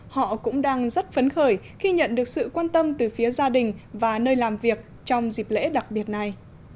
họ cũng đang rất phấn khởi khi nhận được sự quan tâm từ phía gia đình và nơi làm việc trong dịp lễ đặc biệt này